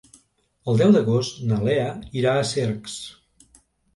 El deu d'agost na Lea irà a Cercs.